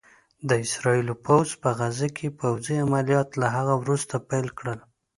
د اسرائيلو پوځ په غزه کې پوځي عمليات له هغه وروسته پيل کړل